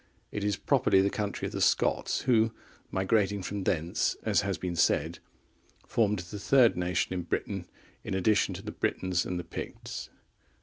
It is properly the country of the Scots, who, migrating from thence, as has been said, formed the third nation in Britain in addition to the Britons and the Picts.